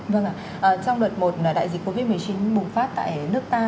vâng ạ trong đợt một đại dịch covid một mươi chín bùng phát tại nước ta